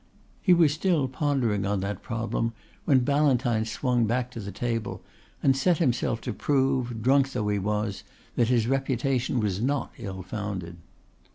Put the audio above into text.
He was still pondering on that problem when Ballantyne swung back to the table and set himself to prove, drunk though he was, that his reputation was not ill founded.